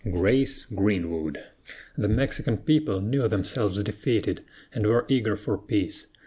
GRACE GREENWOOD. The Mexican people knew themselves defeated, and were eager for peace.